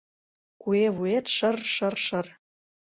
Куэ вует — шыр-шыр-шыр.